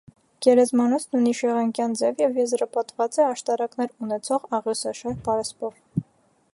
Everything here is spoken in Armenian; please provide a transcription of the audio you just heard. Գերեզմանոցն ունի շեղանկյան ձև և եզրապատված է աշտարակներ ունեցող աղյուսաշար պարսպով։